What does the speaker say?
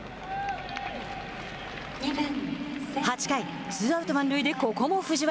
８回、ツーアウト、満塁でここも藤原。